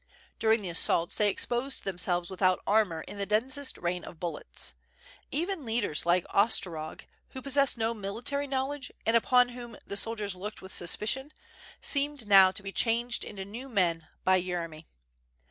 During the assaults they exposed themselves without armor in the densest rain of bullets. Even leaders like Os trorog who possessed no military knowledge and upon whom the soldiers looked with suspicion, seemed now to be changed into new men by Yeremy.